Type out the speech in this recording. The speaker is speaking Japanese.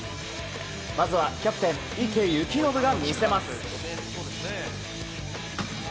まずはキャプテン、池透暢が見せます。